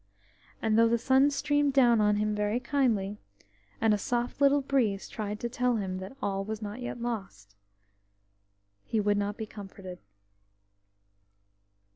And though the sun streamed down on him very kindly, and a soft little breeze tried to tell him that all was not yet lost, he would not be comforted.